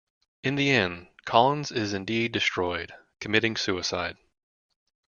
In the end, Collins is indeed destroyed, committing suicide.